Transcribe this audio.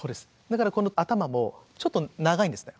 だからこの頭もちょっと長いんですね